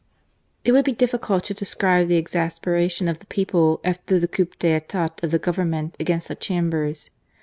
It would be difficult to describe the exasperation of the people after the coup d'etat of the Government against the Chambers.